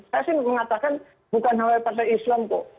saya sih mengatakan bukan hanya partai islam kok